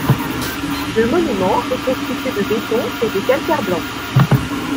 Le monument est constitué de de béton et de de calcaire blanc.